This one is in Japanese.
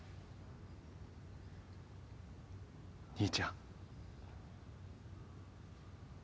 兄ちゃん。